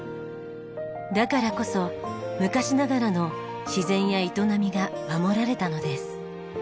だからこそ昔ながらの自然や営みが守られたのです。